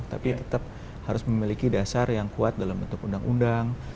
tapi tetap harus memiliki dasar yang kuat dalam bentuk undang undang